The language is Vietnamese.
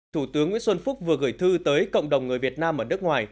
thủ tướng nguyễn xuân phúc vừa gửi thư tới cộng đồng người việt nam ở nước ngoài